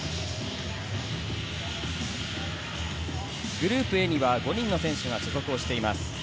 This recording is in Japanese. グループＡには５人の選手が所属しています。